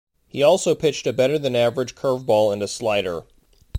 He also pitched a better-than-average curveball and a slider.